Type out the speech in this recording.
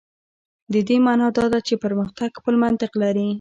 د دې معنا دا ده چې پرمختګ خپل منطق لري.